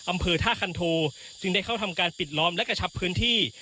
อำเภอท่าคันโทจึงได้เข้าทำการปิดล้อมและกระชับพื้นที่